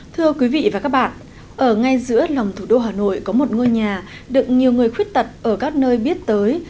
thưa quý vị và các bạn ở ngay giữa lòng thủ đô hà nội có một ngôi nhà được nhiều người khuyết tật ở các nơi biết tới